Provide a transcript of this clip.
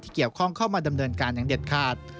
เกี่ยวข้องเข้ามาดำเนินการอย่างเด็ดขาด